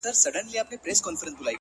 ماخو ستا غمونه ځوروي گلي ـ